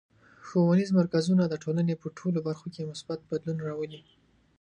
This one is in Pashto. ښوونیز مرکزونه د ټولنې په ټولو برخو کې مثبت بدلون راولي.